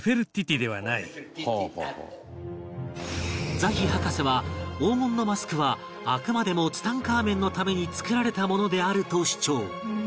ザヒ博士は黄金のマスクはあくまでもツタンカーメンのために作られたものであると主張